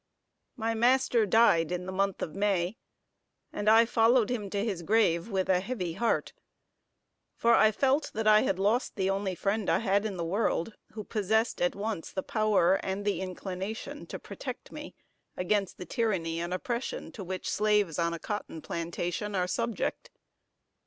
My master died in the month of May, and I followed him to his grave with a heavy heart, for I felt that I had lost the only friend I had in the world, who possessed at once the power and the inclination to protect me against the tyranny and oppression to which slaves on a cotton plantation are subject.